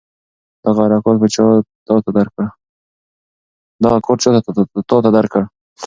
دغه کارت چا تاته درکړ؟